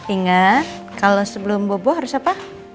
ingat kalau sebelum bobo harus apa